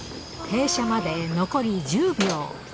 停車まで、残り１０秒。